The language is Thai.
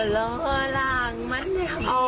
ร้องร่างมั้ยเธอพ่ออยู่น่ะ